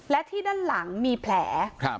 และที่ด้านหลังมีแผล